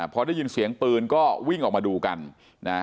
พอได้ยินเสียงปืนก็วิ่งออกมาดูกันนะ